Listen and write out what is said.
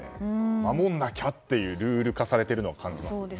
守らなきゃとルール化されているのは感じます。